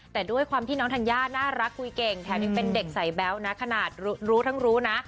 แต่ด้วยความที่น้องธัญญาน่ารักคุยเก่งแถมยังเป็นเด็กใส่แบ๊วนะขนาดรู้ทั้งรู้นะ